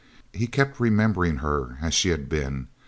He kept remembering her as she had been.